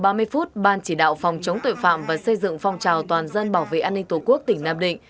đúng bảy giờ ba mươi phút ban chỉ đạo phòng chống tuệ phạm và xây dựng phòng trào toàn dân bảo vệ an ninh tổ quốc tỉnh nam định